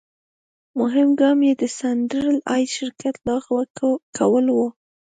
مهم ګام یې د سټنډرد آیل شرکت لغوه کول و.